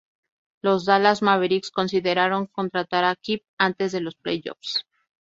Los Dallas Mavericks consideraron contratar a Kemp antes de los playoffs.